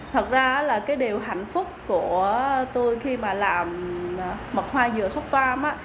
thật ra là cái điều hạnh phúc của tôi khi mà làm mật hoa dừa shop farm á